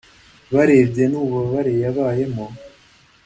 barebye n’ububabare yabayemo